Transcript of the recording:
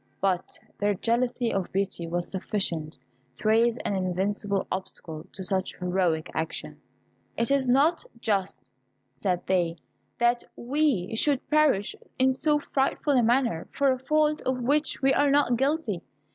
But their jealousy of Beauty was sufficient to raise an invincible obstacle to such heroic action. "It is not just," said they, "that we should perish in so frightful a manner for a fault of which we are not guilty.